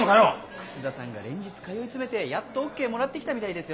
楠田さんが連日通い詰めてやっとオッケーもらってきたみたいですよ。